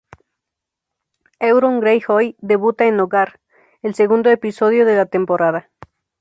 Euron Greyjoy debuta en "Hogar", el segundo episodio de la temporada.